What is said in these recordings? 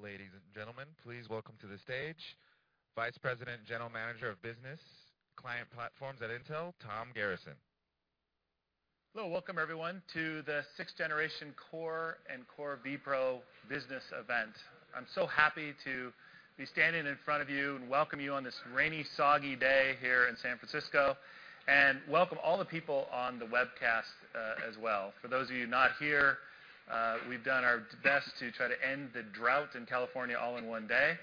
Ladies and gentlemen, please welcome to the stage Vice President and General Manager of Business Client Platforms at Intel, Tom Garrison. Hello. Welcome, everyone, to the 6th Generation Core and Core vPro Business event. I'm so happy to be standing in front of you and welcome you on this rainy, soggy day here in San Francisco, welcome all the people on the webcast as well. For those of you not here, we've done our best to try to end the drought in California all in one day.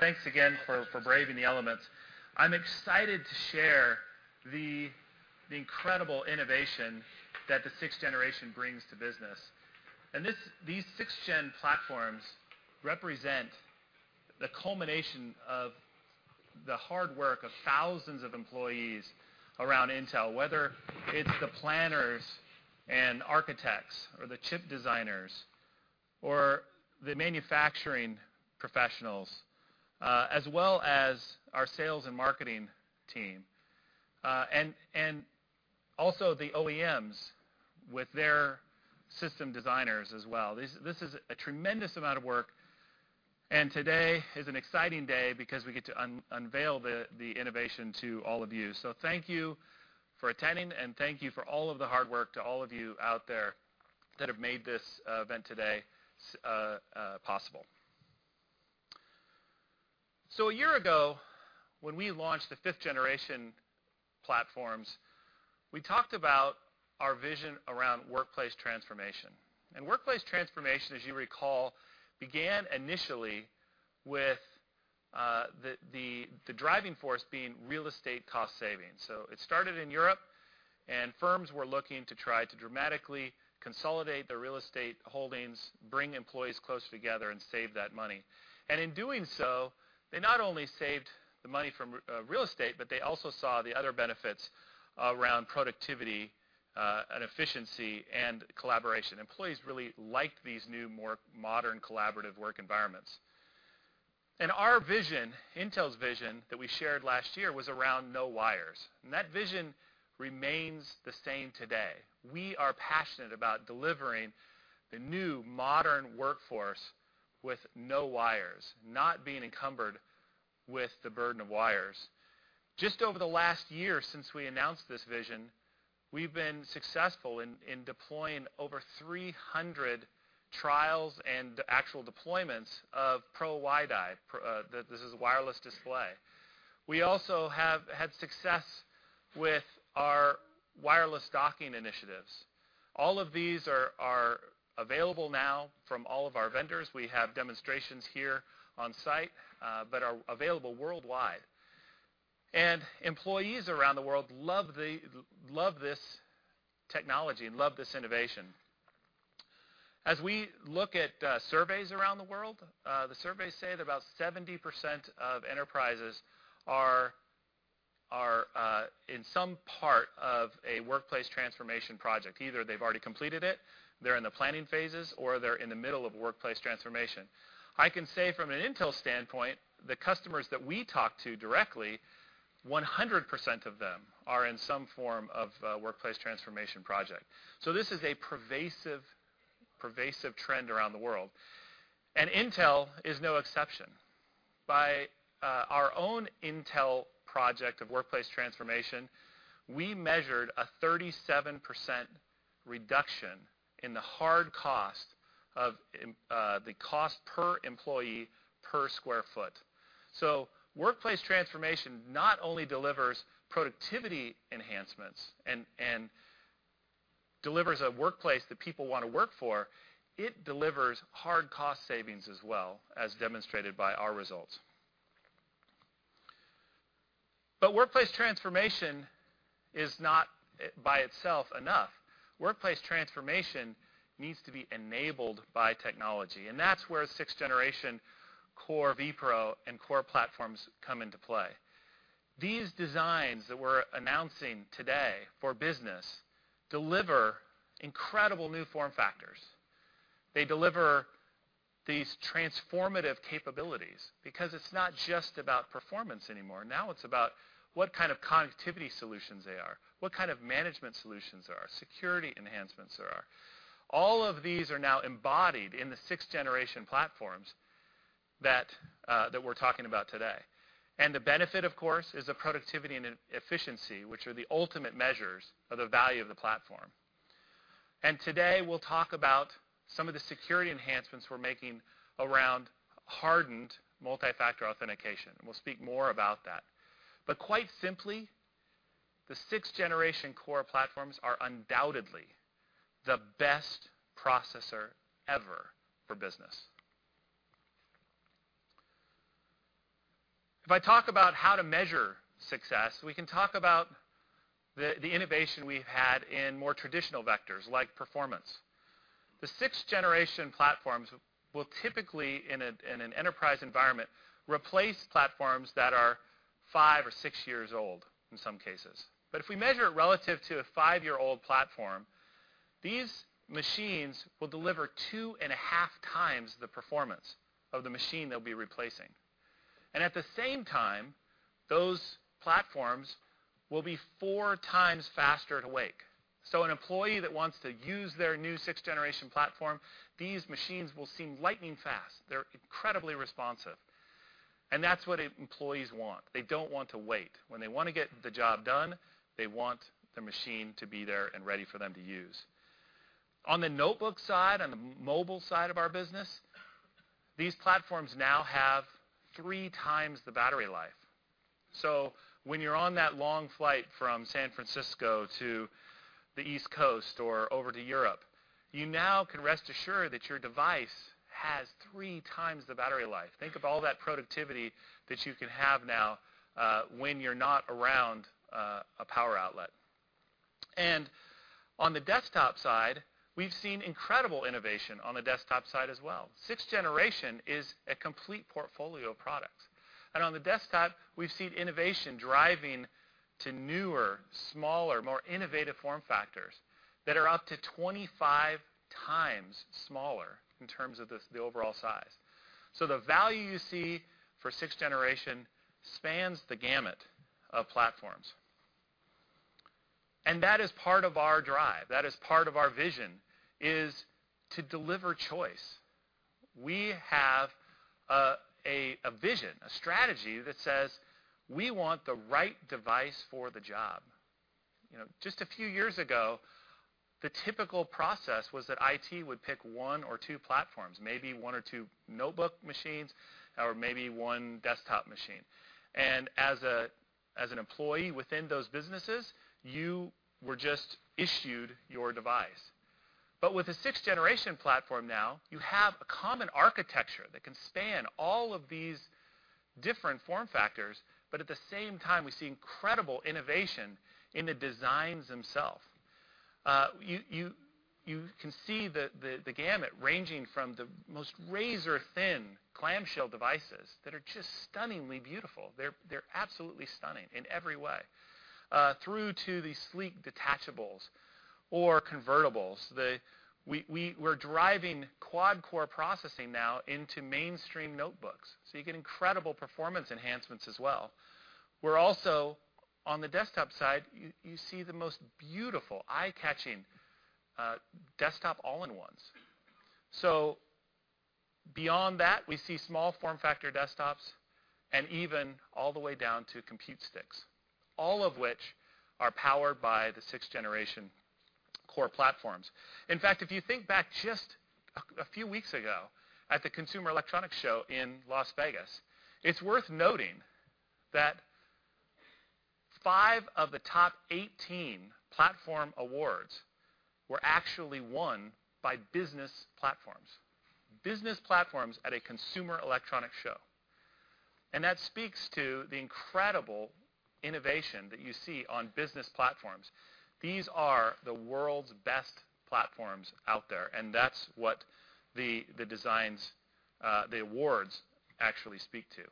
Thanks again for braving the elements. I'm excited to share the incredible innovation that the 6th Generation brings to business. These 6th Gen platforms represent the culmination of the hard work of thousands of employees around Intel, whether it's the planners and architects or the chip designers or the manufacturing professionals, as well as our sales and marketing team. Also the OEMs with their system designers as well. This is a tremendous amount of work, today is an exciting day because we get to unveil the innovation to all of you. Thank you for attending and thank you for all of the hard work to all of you out there that have made this event today possible. A year ago, when we launched the 5th Generation platforms, we talked about our vision around workplace transformation. Workplace transformation, as you recall, began initially with the driving force being real estate cost savings. It started in Europe, firms were looking to try to dramatically consolidate their real estate holdings, bring employees closer together, and save that money. In doing so, they not only saved the money from real estate, but they also saw the other benefits around productivity and efficiency and collaboration. Employees really liked these new, more modern, collaborative work environments. Our vision, Intel's vision that we shared last year was around no wires, that vision remains the same today. We are passionate about delivering the new modern workforce with no wires, not being encumbered with the burden of wires. Just over the last year since we announced this vision, we've been successful in deploying over 300 trials and actual deployments of Pro WiDi. This is wireless display. We also have had success with our wireless docking initiatives. All of these are available now from all of our vendors. We have demonstrations here on site, but are available worldwide. Employees around the world love this technology and love this innovation. As we look at surveys around the world, the surveys say that about 70% of enterprises are in some part of a workplace transformation project. Either they've already completed it, they're in the planning phases, or they're in the middle of a workplace transformation. I can say from an Intel standpoint, the customers that we talk to directly, 100% of them are in some form of a workplace transformation project. This is a pervasive trend around the world, and Intel is no exception. By our own Intel project of workplace transformation, we measured a 37% reduction in the hard cost of the cost per employee per square foot. Workplace transformation not only delivers productivity enhancements and delivers a workplace that people want to work for, it delivers hard cost savings as well, as demonstrated by our results. Workplace transformation is not by itself enough. Workplace transformation needs to be enabled by technology, and that's where 6th Generation Core vPro and Core platforms come into play. These designs that we're announcing today for business deliver incredible new form factors. They deliver these transformative capabilities because it's not just about performance anymore. Now it's about what kind of connectivity solutions they are, what kind of management solutions there are, security enhancements there are. All of these are now embodied in the 6th Generation platforms that we're talking about today. The benefit, of course, is the productivity and efficiency, which are the ultimate measures of the value of the platform. Today, we'll talk about some of the security enhancements we're making around hardened multi-factor authentication, and we'll speak more about that. Quite simply, the 6th Generation Core platforms are undoubtedly the best processor ever for business. If I talk about how to measure success, we can talk about the innovation we've had in more traditional vectors, like performance. The 6th Generation platforms will typically, in an enterprise environment, replace platforms that are five or six years old in some cases. If we measure it relative to a five-year-old platform, these machines will deliver two and a half times the performance of the machine they'll be replacing. At the same time, those platforms will be four times faster at wake. An employee that wants to use their new 6th Generation platform, these machines will seem lightning fast. They're incredibly responsive. That's what employees want. They don't want to wait. When they want to get the job done, they want the machine to be there and ready for them to use. On the notebook side, on the mobile side of our business, these platforms now have three times the battery life. When you're on that long flight from San Francisco to the East Coast or over to Europe, you now can rest assured that your device has three times the battery life. Think of all that productivity that you can have now when you're not around a power outlet. On the desktop side, we've seen incredible innovation on the desktop side as well. 6th Generation is a complete portfolio of products. On the desktop, we've seen innovation driving to newer, smaller, more innovative form factors that are up to 25 times smaller in terms of the overall size. The value you see for 6th Generation spans the gamut of platforms. That is part of our drive, that is part of our vision, is to deliver choice. We have a vision, a strategy that says we want the right device for the job. Just a few years ago, the typical process was that IT would pick one or two platforms, maybe one or two notebook machines, or maybe one desktop machine. As an employee within those businesses, you were just issued your device. With the 6th Generation platform now, you have a common architecture that can span all of these different form factors, but at the same time, we see incredible innovation in the designs themselves. You can see the gamut ranging from the most razor-thin clamshell devices that are just stunningly beautiful, they're absolutely stunning in every way, through to the sleek detachables or convertibles. We're driving quad-core processing now into mainstream notebooks. You get incredible performance enhancements as well. We are also, on the desktop side, you see the most beautiful eye-catching desktop all-in-ones. Beyond that, we see small form factor desktops, and even all the way down to Compute Sticks, all of which are powered by the 6th Generation Core platforms. In fact, if you think back just a few weeks ago at the Consumer Electronics Show in Las Vegas, it's worth noting that five of the top 18 platform awards were actually won by business platforms. Business platforms at a Consumer Electronics Show. That speaks to the incredible innovation that you see on business platforms. These are the world's best platforms out there, and that's what the awards actually speak to.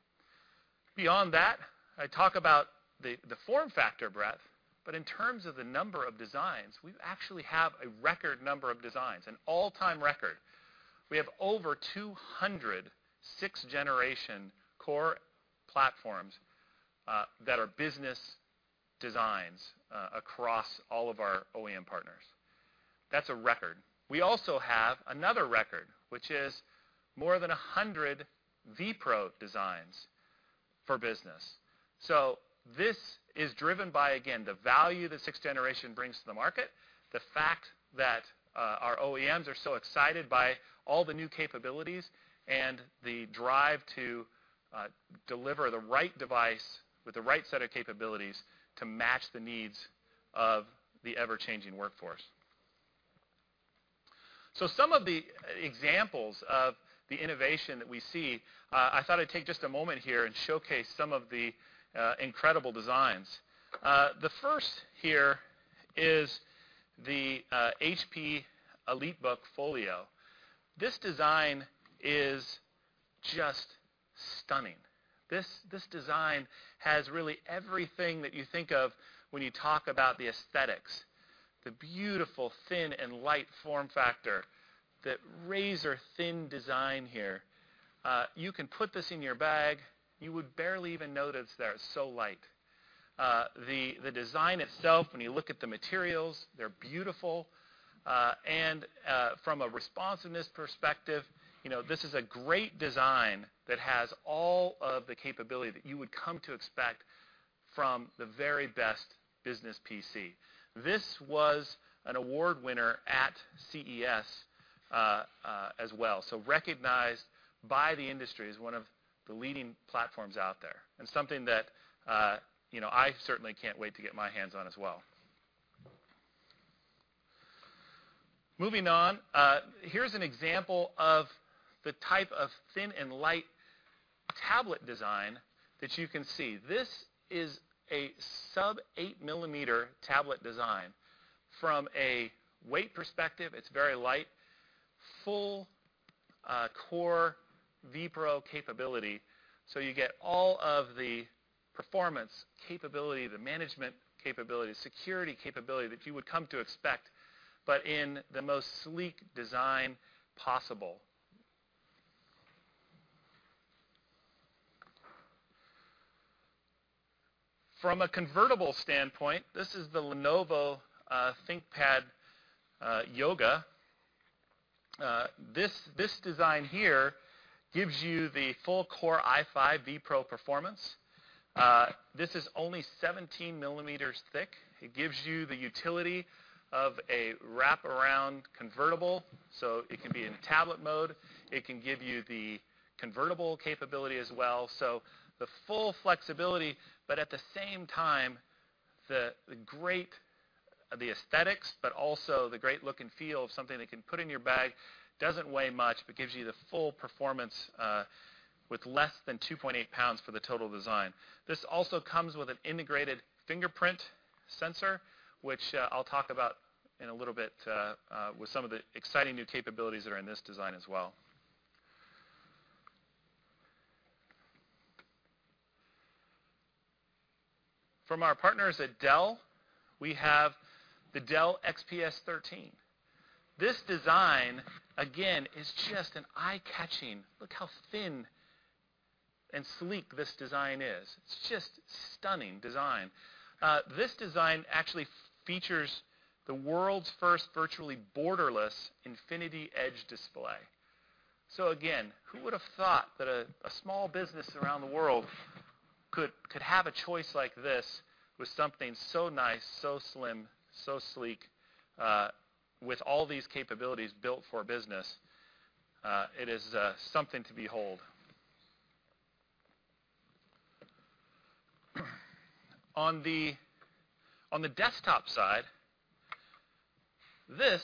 Beyond that, I talk about the form factor breadth, in terms of the number of designs, we actually have a record number of designs, an all-time record. We have over 200 6th Generation Core platforms that are business designs across all of our OEM partners. That's a record. We also have another record, which is more than 100 vPro designs for business. This is driven by, again, the value the 6th Generation brings to the market, the fact that our OEMs are so excited by all the new capabilities, and the drive to deliver the right device with the right set of capabilities to match the needs of the ever-changing workforce. Some of the examples of the innovation that we see, I thought I'd take just a moment here and showcase some of the incredible designs. The first here is the HP EliteBook Folio. This design is just stunning. This design has really everything that you think of when you talk about the aesthetics. The beautiful thin and light form factor, the razor-thin design here. You can put this in your bag, you would barely even notice that it's so light. The design itself, when you look at the materials, they're beautiful. From a responsiveness perspective, this is a great design that has all of the capability that you would come to expect from the very best business PC. This was an award winner at CES as well. Recognized by the industry as one of the leading platforms out there and something that I certainly can't wait to get my hands on as well. Moving on, here's an example of the type of thin and light tablet design that you can see. This is a sub-eight-millimeter tablet design. From a weight perspective, it's very light. Full Core vPro capability, you get all of the performance capability, the management capability, security capability that you would come to expect, in the most sleek design possible. From a convertible standpoint, this is the Lenovo ThinkPad Yoga. This design here gives you the full Core i5 vPro performance. This is only 17 millimeters thick. It gives you the utility of a wraparound convertible, so it can be in tablet mode. It can give you the convertible capability as well. The full flexibility, but at the same time, the aesthetics, but also the great look and feel of something that you can put in your bag, doesn't weigh much. It gives you the full performance with less than 2.8 pounds for the total design. This also comes with an integrated fingerprint sensor, which I'll talk about in a little bit with some of the exciting new capabilities that are in this design as well. From our partners at Dell, we have the Dell XPS 13. This design, again, is just eye-catching. Look how thin and sleek this design is. It's just a stunning design. This design actually features the world's first virtually borderless infinity edge display. Again, who would have thought that a small business around the world could have a choice like this with something so nice, so slim, so sleek with all these capabilities built for business? It is something to behold. On the desktop side, this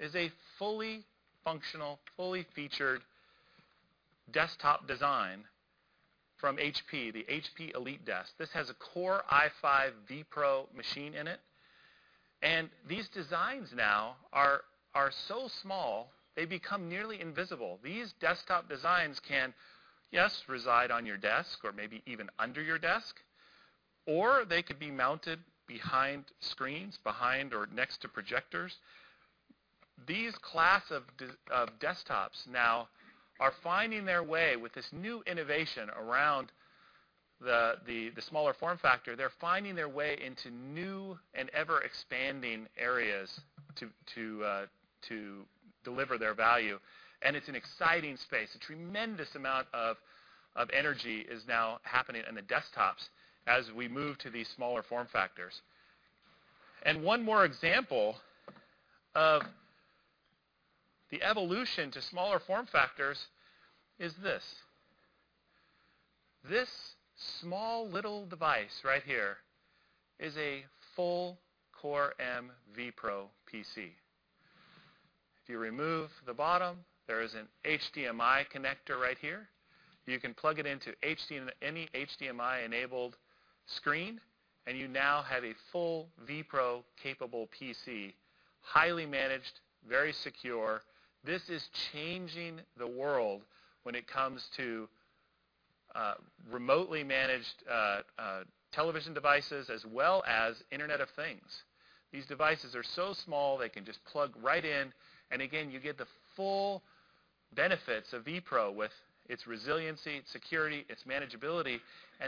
is a fully functional, fully featured desktop design from HP, the HP EliteDesk. This has a Core i5 vPro machine in it. These designs now are so small they become nearly invisible. These desktop designs can, yes, reside on your desk or maybe even under your desk, or they could be mounted behind screens, behind or next to projectors. These class of desktops now are finding their way with this new innovation around the smaller form factor. They're finding their way into new and ever-expanding areas to deliver their value, and it's an exciting space. A tremendous amount of energy is now happening in the desktops as we move to these smaller form factors. One more example of the evolution to smaller form factors is this. This small little device right here is a full Core m vPro PC. If you remove the bottom, there is an HDMI connector right here. You can plug it into any HDMI-enabled screen, and you now have a full vPro-capable PC, highly managed, very secure. This is changing the world when it comes to remotely managed television devices as well as Internet of Things. These devices are so small they can just plug right in, and again, you get the full benefits of vPro with its resiliency, security, its manageability.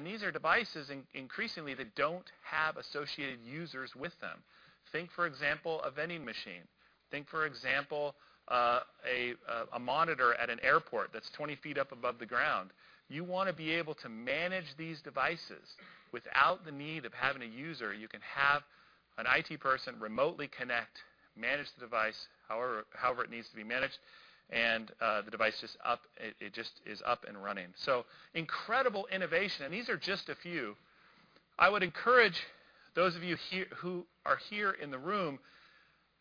These are devices increasingly that don't have associated users with them. Think, for example, a vending machine. Think, for example, a monitor at an airport that's 20 feet up above the ground. You want to be able to manage these devices without the need of having a user. You can have an IT person remotely connect, manage the device however it needs to be managed, and the device is up and running. Incredible innovation, and these are just a few. I would encourage those of you who are here in the room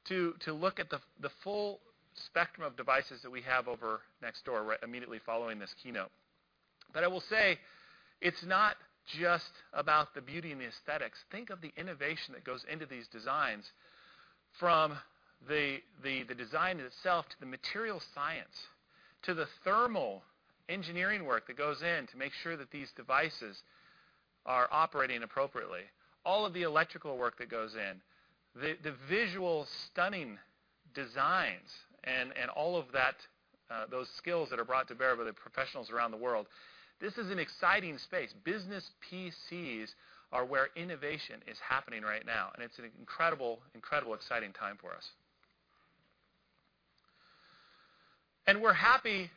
to look at the full spectrum of devices that we have over next door immediately following this keynote. I will say it's not just about the beauty and the aesthetics. Think of the innovation that goes into these designs, from the design itself to the material science, to the thermal engineering work that goes in to make sure that these devices are operating appropriately. All of the electrical work that goes in, the visual stunning designs, all of those skills that are brought to bear by the professionals around the world. This is an exciting space. Business PCs are where innovation is happening right now, it's an incredible, exciting time for us. We're happy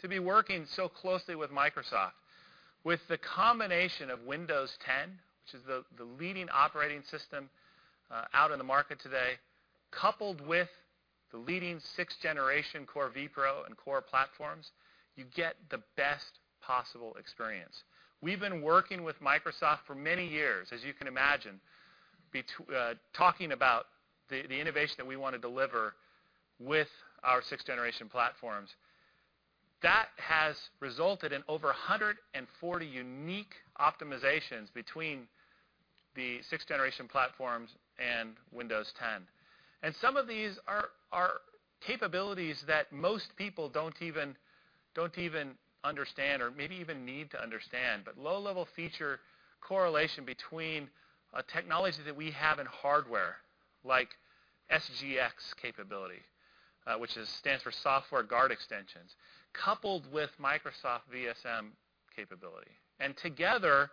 to be working so closely with Microsoft. With the combination of Windows 10, which is the leading operating system out in the market today, coupled with the leading sixth-generation Core vPro and Core platforms, you get the best possible experience. We've been working with Microsoft for many years, as you can imagine, talking about the innovation that we want to deliver with our sixth-generation platforms. That has resulted in over 140 unique optimizations between the sixth-generation platforms and Windows 10. Some of these are capabilities that most people don't even understand or maybe even need to understand. Low-level feature correlation between a technology that we have in hardware, like SGX capability, which stands for Software Guard Extensions, coupled with Microsoft VSM capability. Together,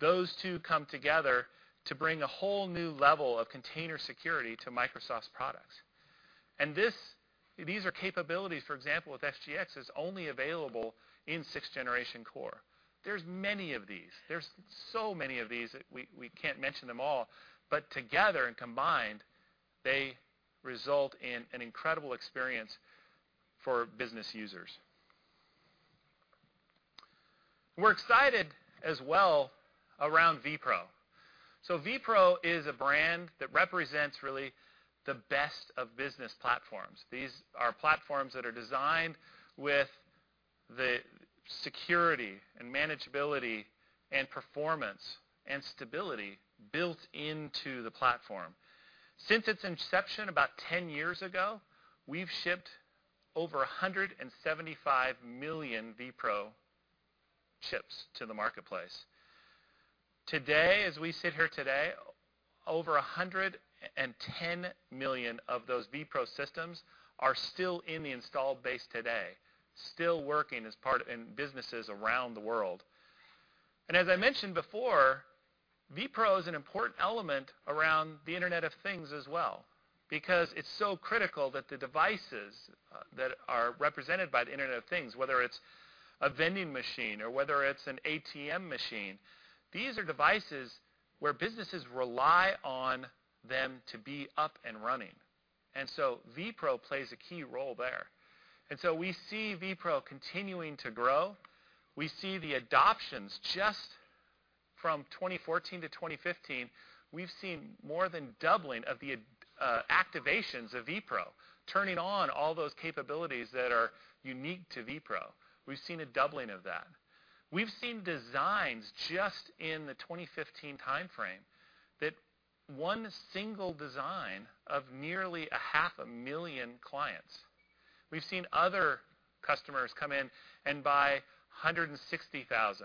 those two come together to bring a whole new level of container security to Microsoft's products. These are capabilities, for example, with SGX, is only available in sixth-generation Core. There's many of these. There's so many of these that we can't mention them all. Together and combined, they result in an incredible experience for business users. We're excited as well around vPro. vPro is a brand that represents really the best of business platforms. These are platforms that are designed with the security and manageability and performance and stability built into the platform. Since its inception about 10 years ago, we've shipped over 175 million vPro chips to the marketplace. Today, as we sit here today, over 110 million of those vPro systems are still in the installed base today, still working as part in businesses around the world. As I mentioned before, vPro is an important element around the Internet of Things as well because it's so critical that the devices that are represented by the Internet of Things, whether it's a vending machine or whether it's an ATM machine, these are devices where businesses rely on them to be up and running. vPro plays a key role there. We see vPro continuing to grow. We see the adoptions just from 2014 to 2015, we've seen more than doubling of the activations of vPro, turning on all those capabilities that are unique to vPro. We've seen a doubling of that. We've seen designs just in the 2015 timeframe, that one single design of nearly a half a million clients. We've seen other customers come in and buy 160,000,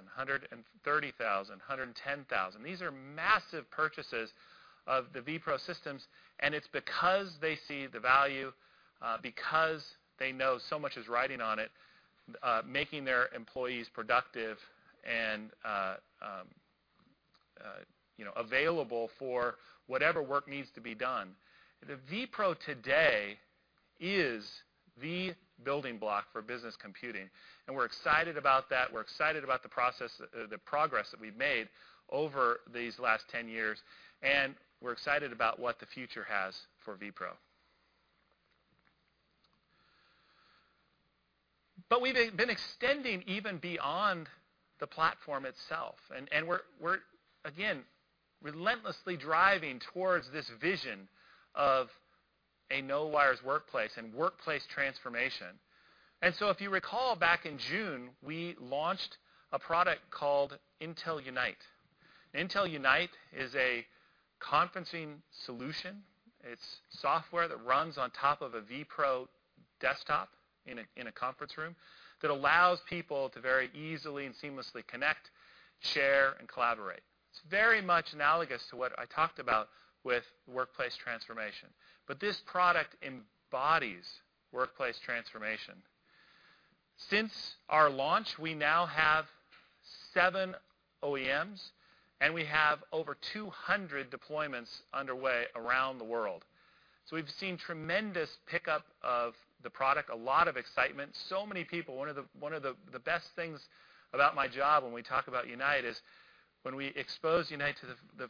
130,000, 110,000. These are massive purchases of the vPro systems, it's because they see the value, because they know so much is riding on it, making their employees productive and available for whatever work needs to be done. The vPro today is the building block for business computing, we're excited about that. We're excited about the progress that we've made over these last 10 years, we're excited about what the future has for vPro. We've been extending even beyond the platform itself, and we're, again, relentlessly driving towards this vision of a no-wires workplace and workplace transformation. If you recall back in June, we launched a product called Intel Unite. Intel Unite is a conferencing solution. It's software that runs on top of a vPro desktop in a conference room that allows people to very easily and seamlessly connect, share, and collaborate. It's very much analogous to what I talked about with workplace transformation. This product embodies workplace transformation. Since our launch, we now have seven OEMs, and we have over 200 deployments underway around the world. We've seen tremendous pickup of the product, a lot of excitement. Many people-- One of the best things about my job when we talk about Unite is when we expose Unite to the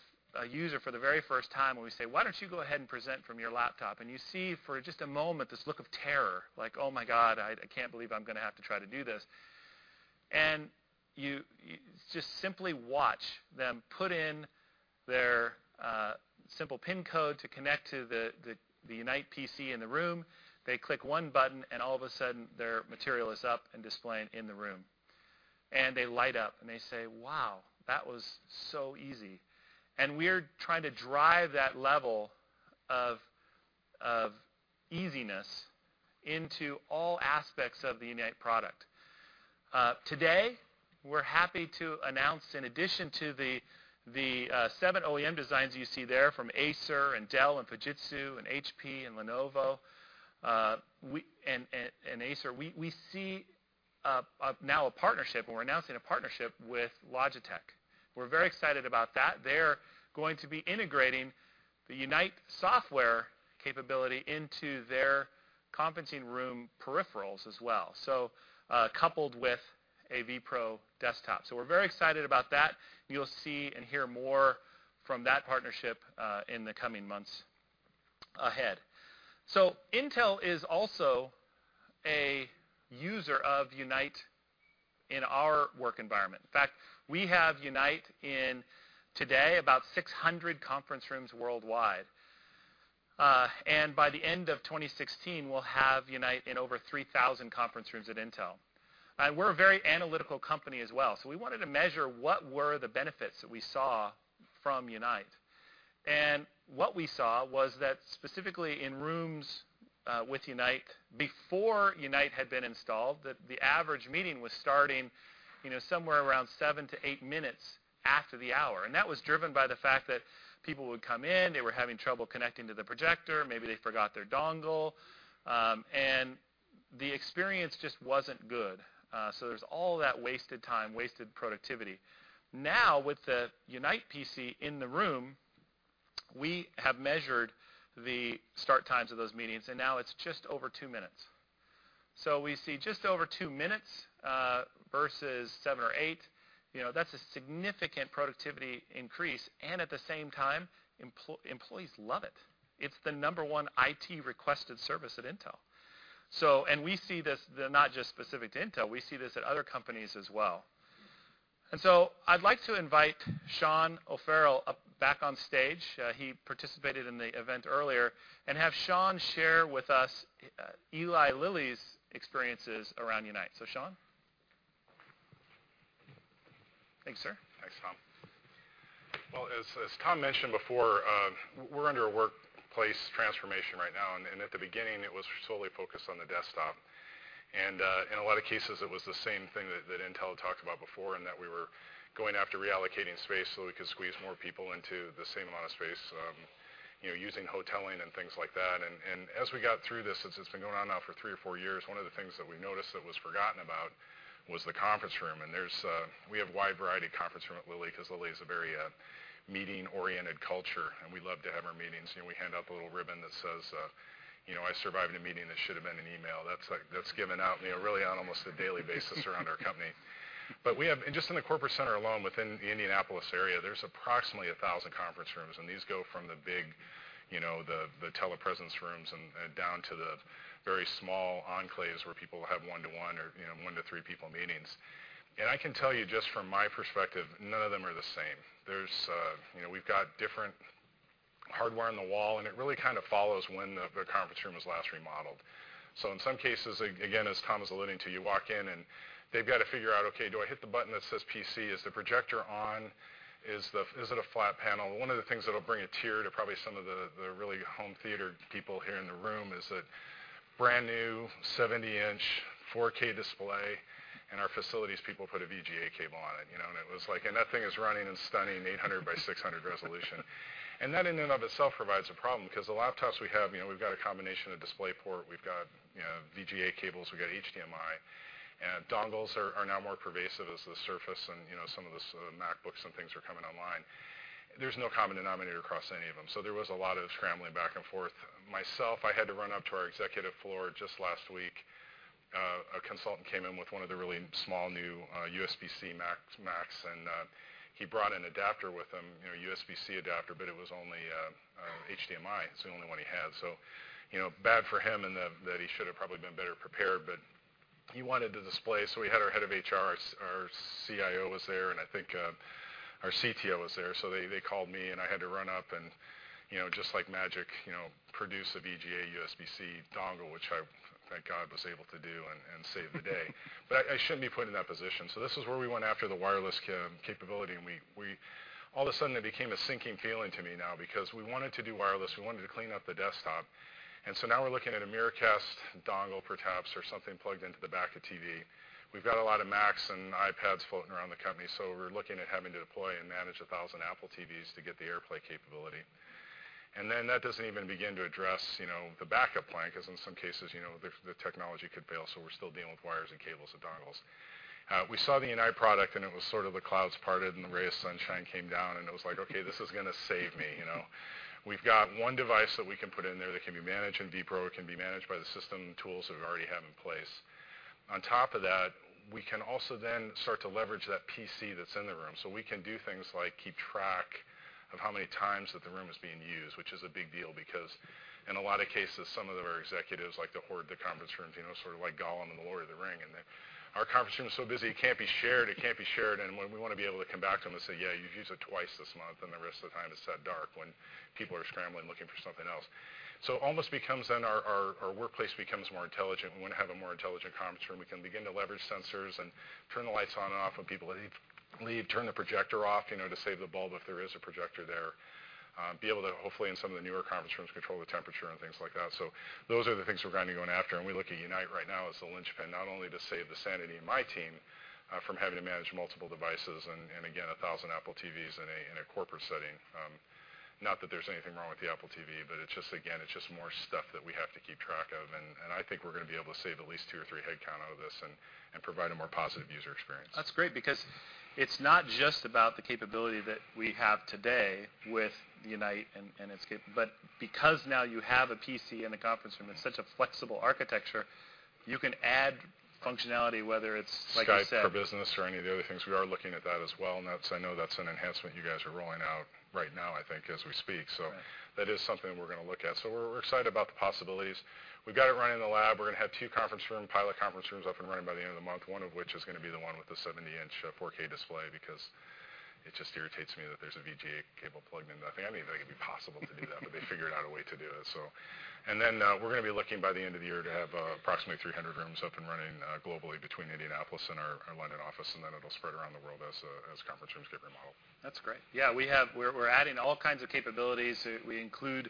user for the very first time, and we say, "Why don't you go ahead and present from your laptop?" You see for just a moment this look of terror, like, "Oh my God, I can't believe I'm going to have to try to do this." You just simply watch them put in their simple pin code to connect to the Unite PC in the room. They click one button, and all of a sudden, their material is up and displaying in the room. They light up, and they say, "Wow, that was so easy." We're trying to drive that level of easiness into all aspects of the Unite product. Today, we're happy to announce, in addition to the seven OEM designs you see there from Acer, Dell, Fujitsu, HP, and Lenovo, we see now a partnership, and we're announcing a partnership with Logitech. We're very excited about that. They're going to be integrating the Unite software capability into their conferencing room peripherals as well, coupled with a vPro desktop. We're very excited about that. You'll see and hear more from that partnership in the coming months ahead. Intel is also a user of Unite in our work environment. In fact, we have Unite in today about 600 conference rooms worldwide. By the end of 2016, we'll have Unite in over 3,000 conference rooms at Intel. We're a very analytical company as well, so we wanted to measure what were the benefits that we saw from Unite. What we saw was that specifically in rooms with Unite, before Unite had been installed, that the average meeting was starting somewhere around 7-8 minutes after the hour. That was driven by the fact that people would come in, they were having trouble connecting to the projector, maybe they forgot their dongle, and the experience just wasn't good. There's all that wasted time, wasted productivity. Now, with the Unite PC in the room, we have measured the start times of those meetings, and now it's just over two minutes. We see just over two minutes versus seven or eight. That's a significant productivity increase, and at the same time, employees love it. It's the number 1 IT-requested service at Intel. We see this not just specific to Intel, we see this at other companies as well. I'd like to invite Sean O'Farrell back on stage, he participated in the event earlier, and have Sean share with us Eli Lilly's experiences around Unite. Sean. Thank you, sir. Thanks, Tom. Well, as Tom mentioned before, we're under a workplace transformation right now, at the beginning it was solely focused on the desktop. In a lot of cases, it was the same thing that Intel had talked about before in that we were going after reallocating space so that we could squeeze more people into the same amount of space using hoteling and things like that. As we got through this, since it's been going on now for three or four years, one of the things that we noticed that was forgotten about was the conference room. We have a wide variety of conference rooms at Lilly because Lilly is a very meeting-oriented culture, and we love to have our meetings. We hand out the little ribbon that says, "I survived a meeting that should've been an email." That's given out really on almost a daily basis around our company. Just in the corporate center alone within the Indianapolis area, there's approximately 1,000 conference rooms. These go from the big telepresence rooms and down to the very small enclaves where people have one-to-one or one-to-three people meetings. I can tell you just from my perspective, none of them are the same. We've got different hardware on the wall, and it really kind of follows when the conference room was last remodeled. In some cases, again, as Tom was alluding to, you walk in and they've got to figure out, okay, do I hit the button that says PC? Is the projector on? Is it a flat panel? One of the things that'll bring a tear to probably some of the really home theater people here in the room is a brand-new 70-inch 4K display, and our facilities people put a VGA cable on it. That thing is running and stunning 800x600 resolution. That in and of itself provides a problem because the laptops we have, we've got a combination of DisplayPort, we've got VGA cables, we've got HDMI, and dongles are now more pervasive as the Surface and some of the MacBooks and things are coming online. There's no common denominator across any of them. There was a lot of scrambling back and forth. Myself, I had to run up to our executive floor just last week. A consultant came in with one of the really small new USB-C Macs, and he brought an adapter with him, a USB-C adapter, but it was only HDMI. It's the only one he had. Bad for him in that he should've probably been better prepared, but he wanted to display. We had our head of HR, our CIO was there, and I think our CTO was there. They called me and I had to run up and just like magic produce a VGA USB-C dongle, which I, thank God, was able to do and save the day. I shouldn't be put in that position. This is where we went after the wireless capability, and all of a sudden it became a sinking feeling to me now because we wanted to do wireless. We wanted to clean up the desktop. Now we're looking at a Miracast dongle perhaps or something plugged into the back of the TV. We've got a lot of Macs and iPads floating around the company. We're looking at having to deploy and manage 1,000 Apple TVs to get the AirPlay capability. That doesn't even begin to address the backup plan because in some cases, the technology could fail. We're still dealing with wires and cables and dongles. We saw the Unite product and it was sort of the clouds parted and the ray of sunshine came down, and it was like, okay, this is going to save me. We've got one device that we can put in there that can be managed in vPro, it can be managed by the system tools that we already have in place. On top of that, we can also then start to leverage that PC that's in the room. We can do things like keep track of how many times that the room is being used, which is a big deal because in a lot of cases, some of our executives like to hoard the conference rooms, sort of like Gollum in "The Lord of the Ring" and they, "Our conference room is so busy, it can't be shared. It can't be shared." We want to be able to come back to them and say, "Yeah, you've used it twice this month," and the rest of the time it sat dark when people are scrambling looking for something else. Almost becomes then our workplace becomes more intelligent. We want to have a more intelligent conference room. We can begin to leverage sensors and turn the lights on and off when people leave, turn the projector off to save the bulb if there is a projector there. Be able to, hopefully, in some of the newer conference rooms, control the temperature and things like that. Those are the things we're going to be going after, and we look at Unite right now as the linchpin, not only to save the sanity of my team from having to manage multiple devices and again, 1,000 Apple TVs in a corporate setting. Not that there's anything wrong with the Apple TV, but it's just, again, it's just more stuff that we have to keep track of. I think we're going to be able to save at least two or three headcount out of this and provide a more positive user experience. That's great because it's not just about the capability that we have today with Intel Unite, but because now you have a PC in the conference room, it's such a flexible architecture, you can add functionality, whether it's, like you said. Skype for Business or any of the other things. We are looking at that as well, and I know that's an enhancement you guys are rolling out right now, I think, as we speak. Right. That is something that we're going to look at. We're excited about the possibilities. We've got it running in the lab. We're going to have two conference room, pilot conference rooms up and running by the end of the month, one of which is going to be the one with the 70-inch 4K display because it just irritates me that there's a VGA cable plugged into nothing. I didn't even think it'd be possible to do that, but they figured out a way to do it. We're going to be looking by the end of the year to have approximately 300 rooms up and running globally between Indianapolis and our London office, and then it'll spread around the world as conference rooms get remodeled. That's great. Yeah, we're adding all kinds of capabilities. We include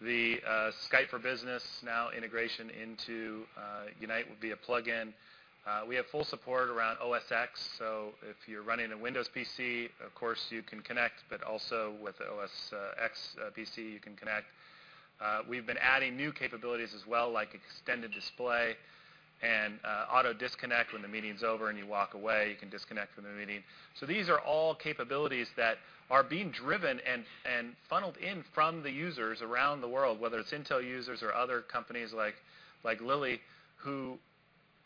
the Skype for Business now integration into Intel Unite. It will be a plugin. We have full support around OSX, so if you're running a Windows PC, of course you can connect, but also with an OSX PC, you can connect. We've been adding new capabilities as well, like extended display and auto disconnect. When the meeting's over and you walk away, you can disconnect from the meeting. These are all capabilities that are being driven and funneled in from the users around the world, whether it's Intel users or other companies like Lilly, who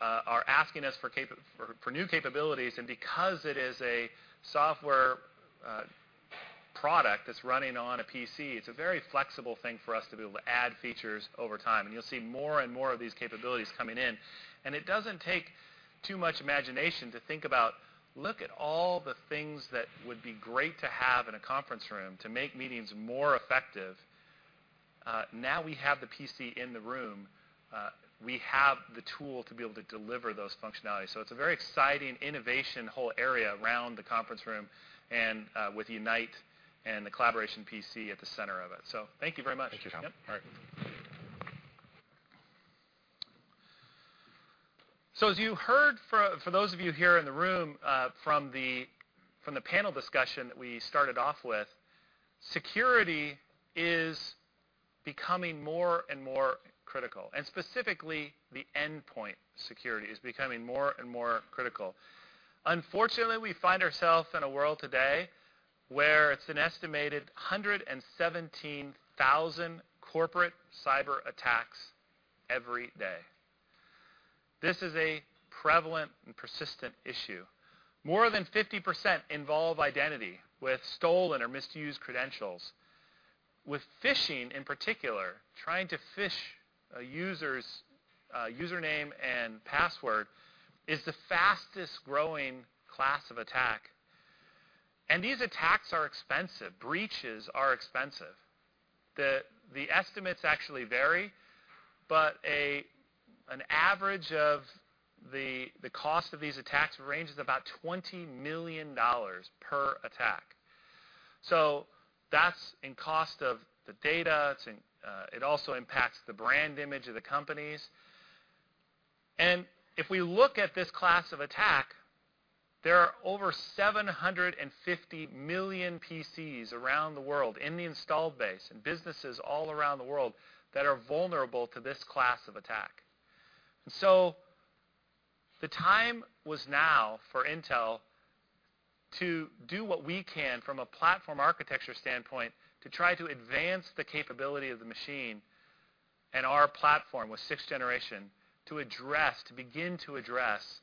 are asking us for new capabilities. Because it is a software product that's running on a PC, it's a very flexible thing for us to be able to add features over time, and you'll see more and more of these capabilities coming in. It doesn't take too much imagination to think about, look at all the things that would be great to have in a conference room to make meetings more effective. Now we have the PC in the room, we have the tool to be able to deliver those functionalities. It's a very exciting innovation, the whole area around the conference room, and with Unite and the Collaboration PC at the center of it. Thank you very much. Thank you, Tom. As you heard, for those of you here in the room, from the panel discussion that we started off with, security is becoming more and more critical, and specifically the endpoint security is becoming more and more critical. Unfortunately, we find ourselves in a world today where it's an estimated 117,000 corporate cyber attacks every day. This is a prevalent and persistent issue. More than 50% involve identity with stolen or misused credentials. With phishing, in particular, trying to phish a user's username and password is the fastest-growing class of attack. These attacks are expensive. Breaches are expensive. The estimates actually vary, but an average of the cost of these attacks ranges about $20 million per attack. That's in cost of the data. It also impacts the brand image of the companies. If we look at this class of attack, there are over 750 million PCs around the world in the installed base and businesses all around the world that are vulnerable to this class of attack. The time was now for Intel to do what we can from a platform architecture standpoint to try to advance the capability of the machine and our platform with 6th Generation to begin to address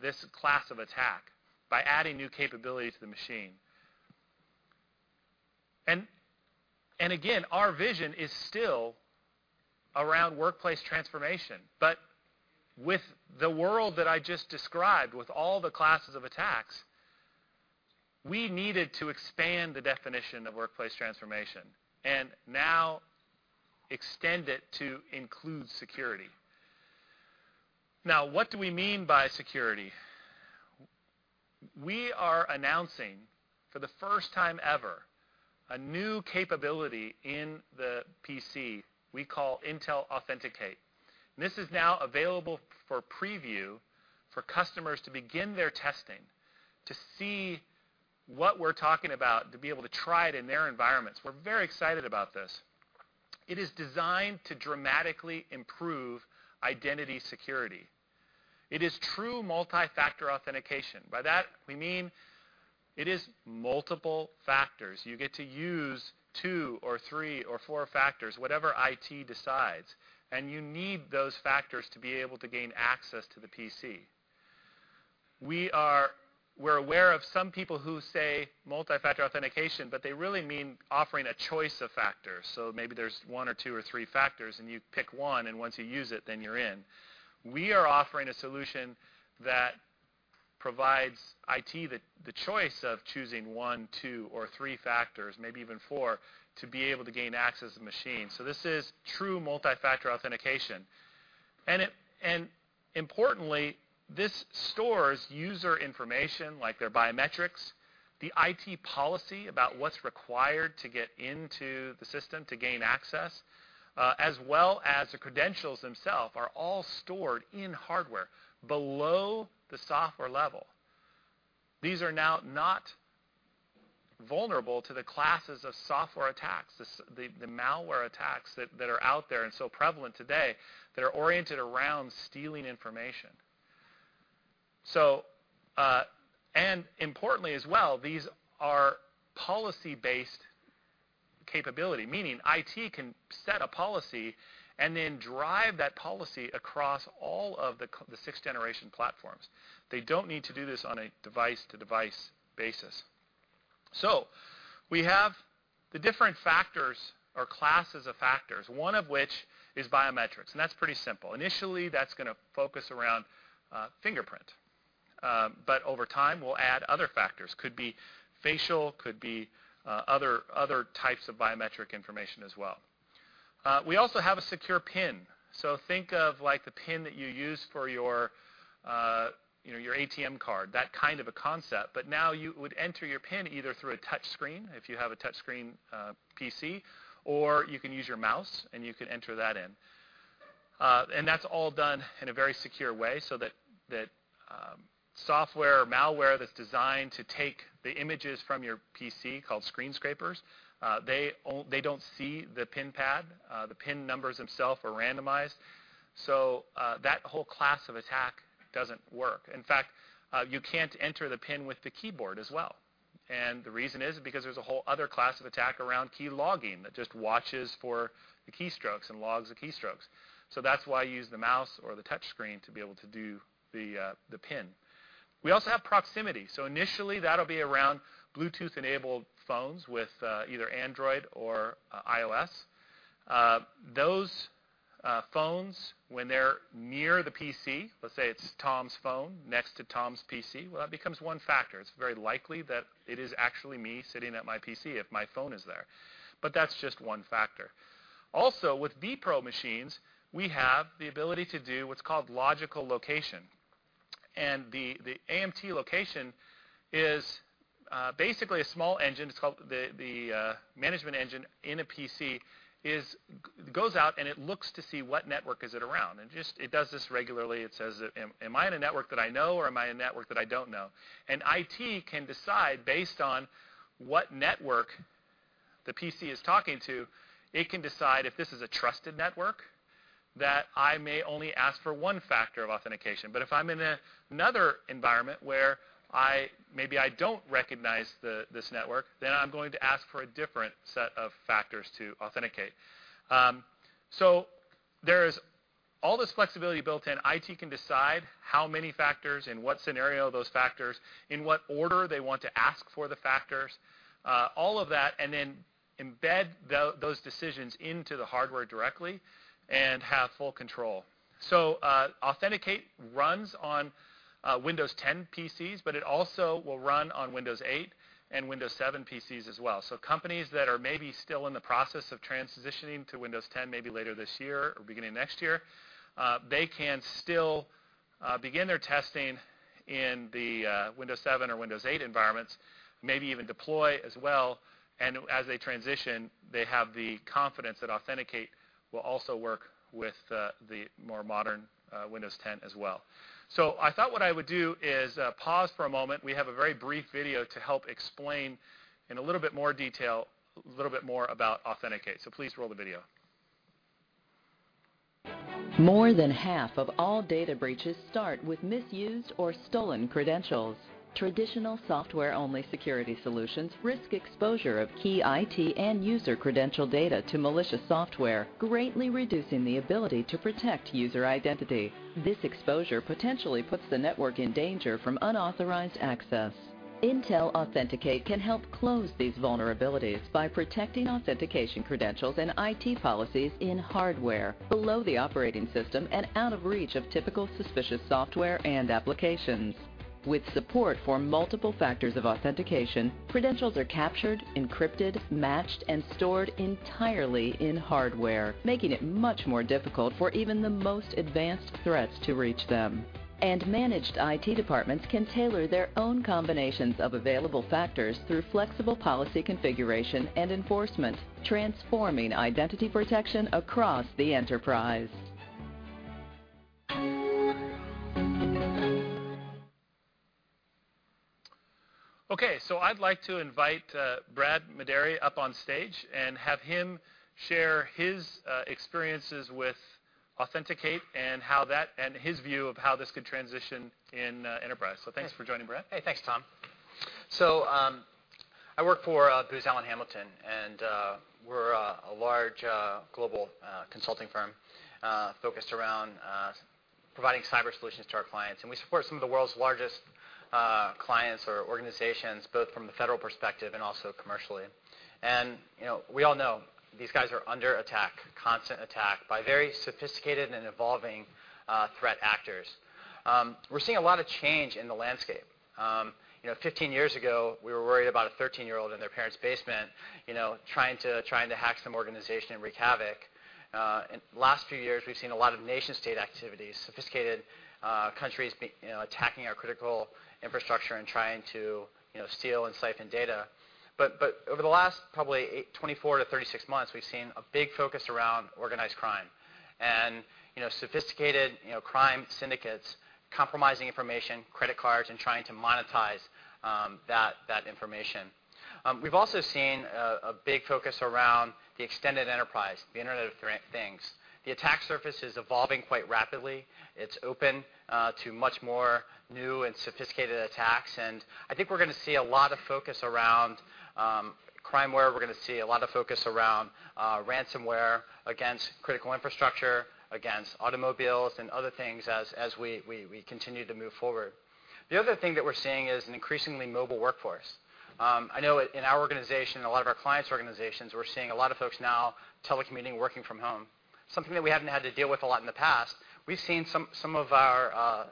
this class of attack by adding new capability to the machine. Again, our vision is still around workplace transformation, but with the world that I just described, with all the classes of attacks, we needed to expand the definition of workplace transformation and now extend it to include security. Now, what do we mean by security? We are announcing for the first time ever a new capability in the PC we call Intel Authenticate. This is now available for preview for customers to begin their testing to see what we're talking about, to be able to try it in their environments. We're very excited about this. It is designed to dramatically improve identity security. It is true multi-factor authentication. By that, we mean it is multiple factors. You get to use two or three or four factors, whatever IT decides, and you need those factors to be able to gain access to the PC. We're aware of some people who say multi-factor authentication, but they really mean offering a choice of factors. Maybe there is one or two or three factors, and you pick one, and once you use it, then you're in. We are offering a solution that provides IT the choice of choosing one, two, or three factors, maybe even four, to be able to gain access to the machine. This is true multi-factor authentication. Importantly, this stores user information like their biometrics, the IT policy about what's required to get into the system to gain access, as well as the credentials themselves, are all stored in hardware below the software level. These are now not vulnerable to the classes of software attacks, the malware attacks that are out there and so prevalent today that are oriented around stealing information. Importantly as well, these are policy-based capability, meaning IT can set a policy and then drive that policy across all of the 6th Generation platforms. They don't need to do this on a device-to-device basis. We have the different factors or classes of factors, one of which is biometrics, and that's pretty simple. Initially, that's going to focus around fingerprint. Over time, we'll add other factors. Could be facial, could be other types of biometric information as well. We also have a secure PIN. Think of the PIN that you use for your ATM card, that kind of a concept. Now you would enter your PIN either through a touch screen, if you have a touch screen PC, or you can use your mouse, and you can enter that in. That's all done in a very secure way so that software malware that's designed to take the images from your PC, called screen scrapers, they don't see the PIN pad. The PIN numbers themself are randomized. That whole class of attack doesn't work. In fact, you can't enter the PIN with the keyboard as well. The reason is because there's a whole other class of attack around key logging that just watches for the keystrokes and logs the keystrokes. That's why I use the mouse or the touch screen to be able to do the PIN. We also have proximity. Initially, that'll be around Bluetooth-enabled phones with either Android or iOS. Those phones, when they're near the PC, let's say it's Tom's phone next to Tom's PC, well, that becomes one factor. It's very likely that it is actually me sitting at my PC if my phone is there. That's just one factor. Also, with vPro machines, we have the ability to do what's called logical location. The AMT location is basically a small engine. The management engine in a PC goes out, and it looks to see what network is it around, and it does this regularly. It says, "Am I in a network that I know, or am I in a network that I don't know?" IT can decide based on what network the PC is talking to. It can decide if this is a trusted network that I may only ask for one factor of authentication. If I'm in another environment where maybe I don't recognize this network, then I'm going to ask for a different set of factors to authenticate. There is all this flexibility built in. IT can decide how many factors, in what scenario those factors, in what order they want to ask for the factors, all of that, and then embed those decisions into the hardware directly and have full control. Authenticate runs on Windows 10 PCs, but it also will run on Windows 8 and Windows 7 PCs as well. Companies that are maybe still in the process of transitioning to Windows 10, maybe later this year or beginning of next year, they can still begin their testing in the Windows 7 or Windows 8 environments, maybe even deploy as well. As they transition, they have the confidence that Authenticate will also work with the more modern Windows 10 as well. I thought what I would do is pause for a moment. We have a very brief video to help explain in a little bit more detail, a little bit more about Authenticate. Please roll the video. More than half of all data breaches start with misused or stolen credentials. Traditional software-only security solutions risk exposure of key IT and user credential data to malicious software, greatly reducing the ability to protect user identity. This exposure potentially puts the network in danger from unauthorized access. Intel Authenticate can help close these vulnerabilities by protecting authentication credentials and IT policies in hardware below the operating system and out of reach of typical suspicious software and applications. With support for multiple factors of authentication, credentials are captured, encrypted, matched, and stored entirely in hardware, making it much more difficult for even the most advanced threats to reach them. Managed IT departments can tailor their own combinations of available factors through flexible policy configuration and enforcement, transforming identity protection across the enterprise. Okay, I'd like to invite Brad Medairy up on stage and have him share his experiences with Authenticate and his view of how this could transition in enterprise. Thanks for joining, Brad. Hey, thanks, Tom. I work for Booz Allen Hamilton, and we're a large global consulting firm focused around providing cyber solutions to our clients. We support some of the world's largest clients or organizations, both from the federal perspective and also commercially. We all know these guys are under attack, constant attack, by very sophisticated and evolving threat actors. We're seeing a lot of change in the landscape. 15 years ago, we were worried about a 13-year-old in their parent's basement trying to hack some organization and wreak havoc. In the last few years, we've seen a lot of nation-state activity, sophisticated countries attacking our critical infrastructure and trying to steal and siphon data. Over the last probably 24 to 36 months, we've seen a big focus around organized crime and sophisticated crime syndicates compromising information, credit cards, and trying to monetize that information. We've also seen a big focus around the extended enterprise, the Internet of Things. The attack surface is evolving quite rapidly. It's open to much more new and sophisticated attacks. I think we're going to see a lot of focus around crimeware. We're going to see a lot of focus around ransomware against critical infrastructure, against automobiles, and other things as we continue to move forward. The other thing that we're seeing is an increasingly mobile workforce. I know in our organization, a lot of our clients' organizations, we're seeing a lot of folks now telecommuting, working from home. Something that we haven't had to deal with a lot in the past. We've seen some of our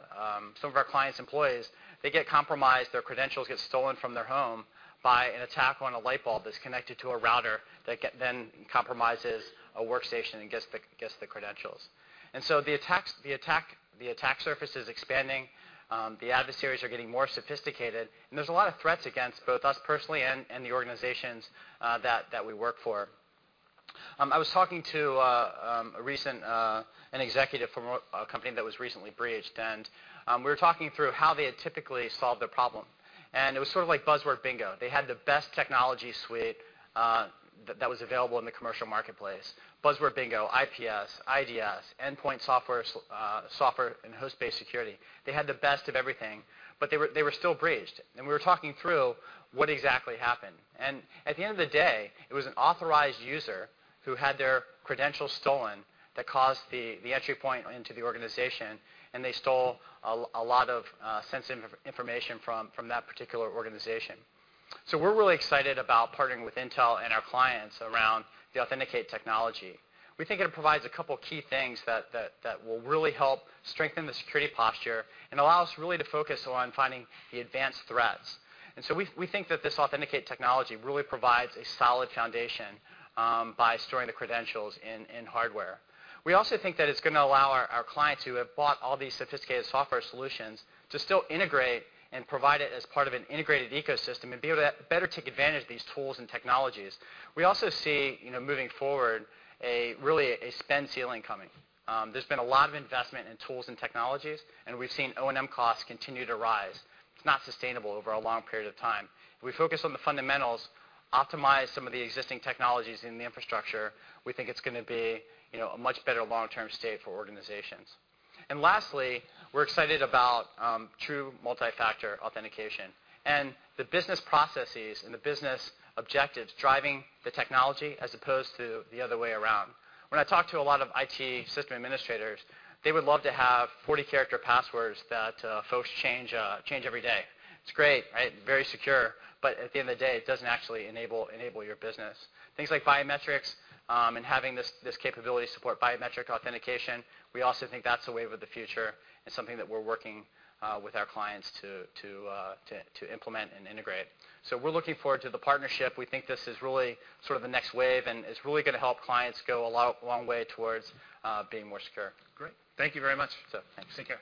clients' employees, they get compromised, their credentials get stolen from their home by an attack on a light bulb that's connected to a router that then compromises a workstation and gets the credentials. The attack surface is expanding. The adversaries are getting more sophisticated, and there's a lot of threats against both us personally and the organizations that we work for. I was talking to an executive from a company that was recently breached, and we were talking through how they had typically solved their problem, and it was sort of like buzzword bingo. They had the best technology suite that was available in the commercial marketplace. Buzzword bingo, IPS, IDS, endpoint software, and host-based security. They had the best of everything, but they were still breached. We were talking through what exactly happened. At the end of the day, it was an authorized user who had their credentials stolen that caused the entry point into the organization, and they stole a lot of sensitive information from that particular organization. We're really excited about partnering with Intel and our clients around the Authenticate technology. We think it provides a couple key things that will really help strengthen the security posture and allow us really to focus on finding the advanced threats. We think that this Authenticate technology really provides a solid foundation by storing the credentials in hardware. We also think that it's going to allow our clients who have bought all these sophisticated software solutions to still integrate and provide it as part of an integrated ecosystem and be able to better take advantage of these tools and technologies. We also see, moving forward, really a spend ceiling coming. There's been a lot of investment in tools and technologies, we've seen O&M costs continue to rise. It's not sustainable over a long period of time. If we focus on the fundamentals, optimize some of the existing technologies in the infrastructure, we think it's going to be a much better long-term state for organizations. Lastly, we're excited about true multi-factor authentication and the business processes and the business objectives driving the technology as opposed to the other way around. When I talk to a lot of IT system administrators, they would love to have 40-character passwords that folks change every day. It's great, right? Very secure. At the end of the day, it doesn't actually enable your business. Things like biometrics and having this capability support biometric authentication, we also think that's the wave of the future and something that we're working with our clients to implement and integrate. We're looking forward to the partnership. We think this is really sort of the next wave, it's really going to help clients go a long way towards being more secure. Great. Thank you very much. Thanks. Take care.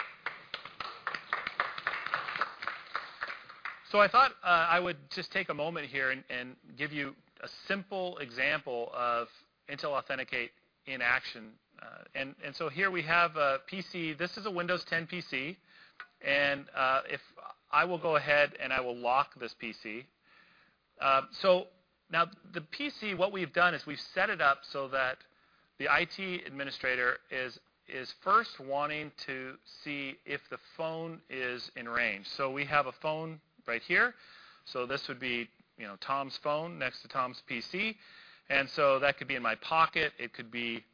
I thought I would just take a moment here and give you a simple example of Intel Authenticate in action. Here we have a PC. This is a Windows 10 PC, and I will go ahead, and I will lock this PC. Now the PC, what we've done is we've set it up so that the IT administrator is first wanting to see if the phone is in range. We have a phone right here. This would be Tom's phone next to Tom's PC. That could be in my pocket. It could be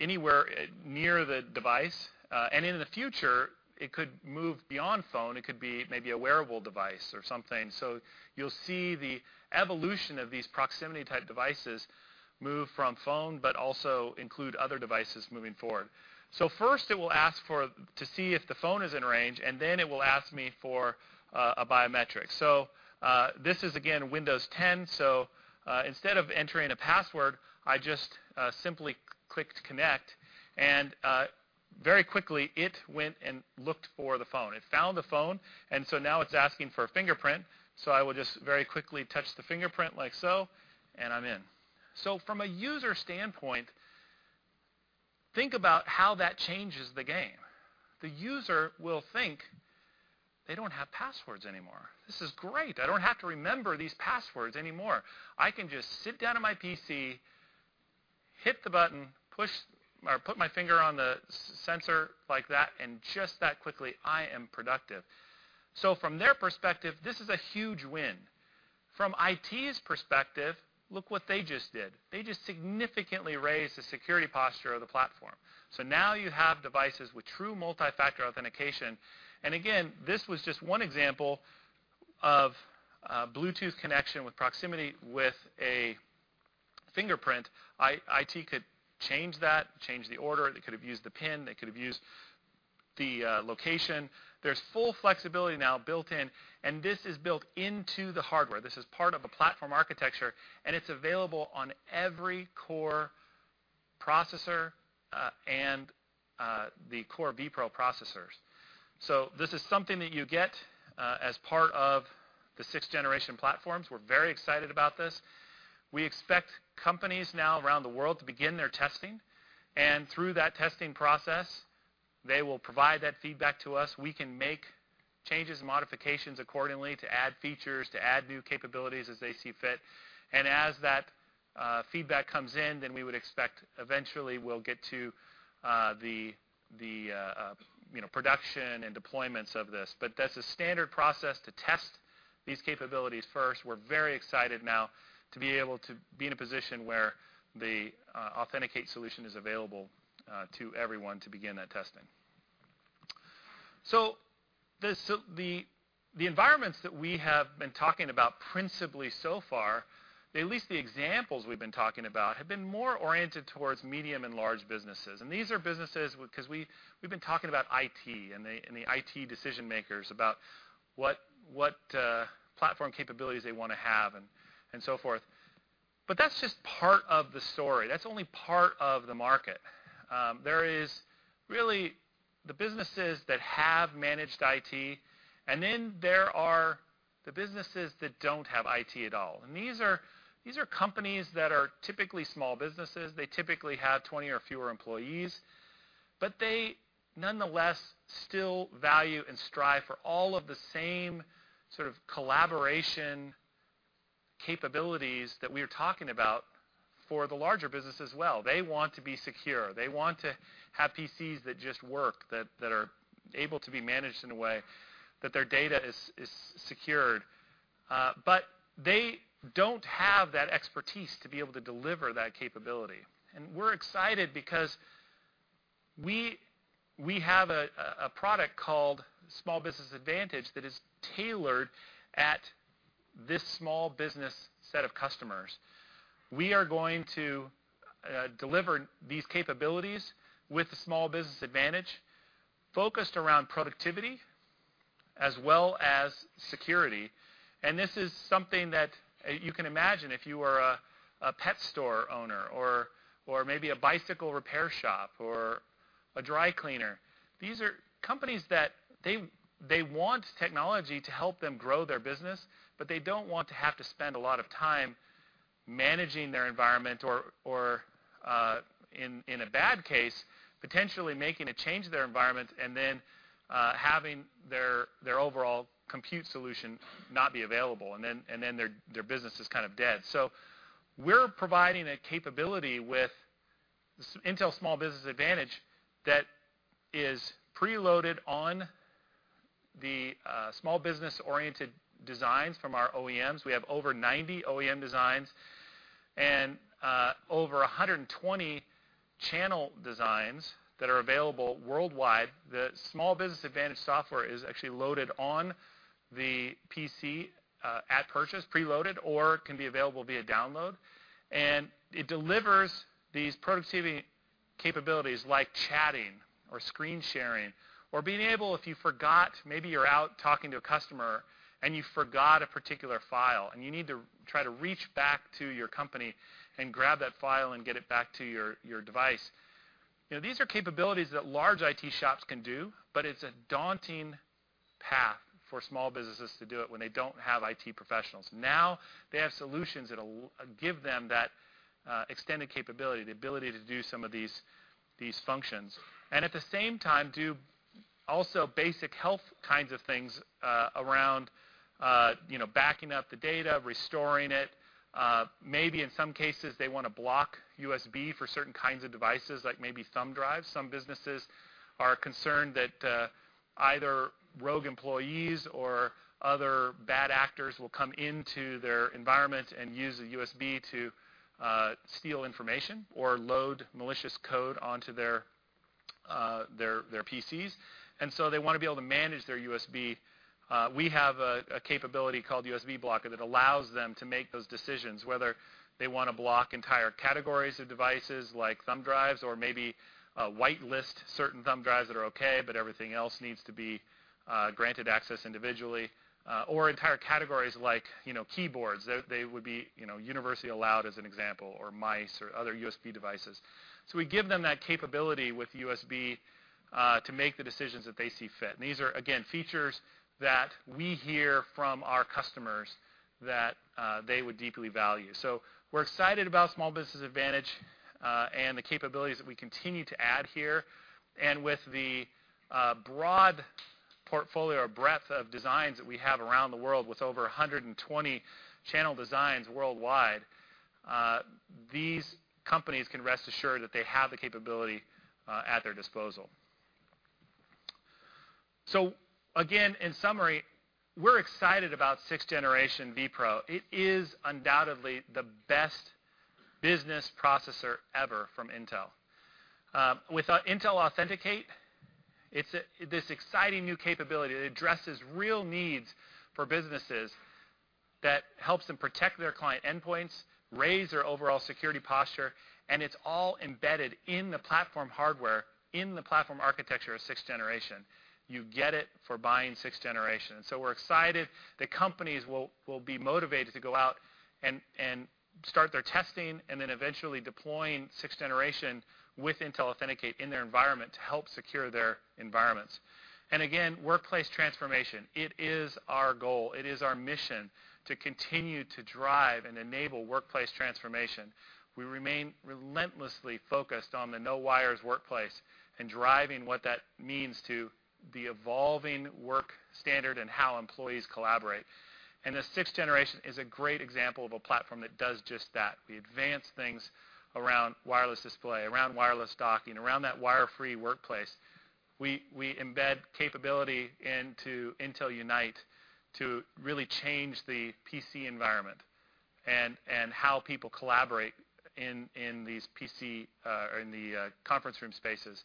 anywhere near the device. In the future, it could move beyond phone. It could be maybe a wearable device or something. You'll see the evolution of these proximity-type devices move from phone, but also include other devices moving forward. First, it will ask to see if the phone is in range, and then it will ask me for a biometric. This is, again, Windows 10, so instead of entering a password, I just simply clicked Connect, and very quickly, it went and looked for the phone. It found the phone, and now it's asking for a fingerprint. I will just very quickly touch the fingerprint like so, and I'm in. From a user standpoint, think about how that changes the game. The user will think they don't have passwords anymore. This is great. I don't have to remember these passwords anymore. I can just sit down at my PC, hit the button, put my finger on the sensor like that, and just that quickly, I am productive. From their perspective, this is a huge win. From IT's perspective, look what they just did. They just significantly raised the security posture of the platform. Now you have devices with true multi-factor authentication. Again, this was just one example of a Bluetooth connection with proximity with a fingerprint. IT could change that, change the order. They could have used the pin. They could have used the location. There's full flexibility now built in, and this is built into the hardware. This is part of a platform architecture, and it's available on every core processor and the Intel Core vPro processors. This is something that you get as part of the 6th Generation platforms. We're very excited about this. We expect companies now around the world to begin their testing, and through that testing process, they will provide that feedback to us. We can make changes and modifications accordingly to add features, to add new capabilities as they see fit. As that feedback comes in, we would expect eventually we'll get to the production and deployments of this. That's a standard process to test these capabilities first. We're very excited now to be able to be in a position where the Intel Authenticate solution is available to everyone to begin that testing. The environments that we have been talking about principally so far, at least the examples we've been talking about, have been more oriented towards medium and large businesses. These are businesses because we've been talking about IT and the IT decision-makers about what platform capabilities they want to have and so forth. That's just part of the story. That's only part of the market. There is really the businesses that have managed IT, and then there are the businesses that don't have IT at all. These are companies that are typically small businesses. They typically have 20 or fewer employees. They nonetheless still value and strive for all of the same sort of collaboration capabilities that we are talking about for the larger business as well. They want to be secure. They want to have PCs that just work, that are able to be managed in a way that their data is secured. They don't have that expertise to be able to deliver that capability. We're excited because we have a product called Small Business Advantage that is tailored at this small business set of customers. We are going to deliver these capabilities with the Small Business Advantage focused around productivity as well as security, and this is something that you can imagine if you are a pet store owner or maybe a bicycle repair shop or a dry cleaner. These are companies that they want technology to help them grow their business, but they don't want to have to spend a lot of time managing their environment or, in a bad case, potentially making a change to their environment and then having their overall compute solution not be available, and then their business is kind of dead. We're providing a capability with Intel Small Business Advantage that is preloaded on the small business-oriented designs from our OEMs. We have over 90 OEM designs and over 120 channel designs that are available worldwide. The Small Business Advantage software is actually loaded on the PC at purchase, preloaded, or can be available via download. It delivers these productivity capabilities like chatting or screen sharing or being able, if you forgot, maybe you're out talking to a customer and you forgot a particular file, and you need to try to reach back to your company and grab that file and get it back to your device. These are capabilities that large IT shops can do, but it's a daunting path for small businesses to do it when they don't have IT professionals. Now they have solutions that'll give them that extended capability, the ability to do some of these functions and at the same time, do also basic health kinds of things around backing up the data, restoring it. Maybe in some cases, they want to block USB for certain kinds of devices, like maybe thumb drives. Some businesses are concerned that either rogue employees or other bad actors will come into their environment and use a USB to steal information or load malicious code onto their PCs. They want to be able to manage their USB. We have a capability called USB Blocker that allows them to make those decisions, whether they want to block entire categories of devices like thumb drives or maybe a whitelist certain thumb drives that are okay, but everything else needs to be granted access individually. Or entire categories like keyboards, they would be universally allowed, as an example, or mice or other USB devices. We give them that capability with USB to make the decisions that they see fit. These are, again, features that we hear from our customers that they would deeply value. We're excited about Intel Small Business Advantage and the capabilities that we continue to add here. With the broad portfolio or breadth of designs that we have around the world, with over 120 channel designs worldwide, these companies can rest assured that they have the capability at their disposal. Again, in summary, we're excited about 6th Generation vPro. It is undoubtedly the best business processor ever from Intel. With Intel Authenticate, it's this exciting new capability that addresses real needs for businesses that helps them protect their client endpoints, raise their overall security posture, and it's all embedded in the platform hardware, in the platform architecture of 6th Generation. You get it for buying 6th Generation. We're excited that companies will be motivated to go out and start their testing and then eventually deploying 6th Generation with Intel Authenticate in their environment to help secure their environments. Again, workplace transformation, it is our goal. It is our mission to continue to drive and enable workplace transformation. We remain relentlessly focused on the no-wires workplace and driving what that means to the evolving work standard and how employees collaborate. The 6th Generation is a great example of a platform that does just that. We advance things around wireless display, around wireless docking, around that wire-free workplace. We embed capability into Intel Unite to really change the PC environment and how people collaborate in the conference room spaces.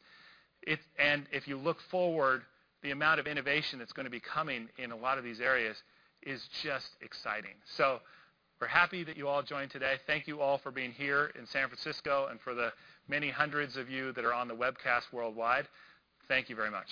If you look forward, the amount of innovation that's going to be coming in a lot of these areas is just exciting. We're happy that you all joined today. Thank you all for being here in San Francisco and for the many hundreds of you that are on the webcast worldwide. Thank you very much.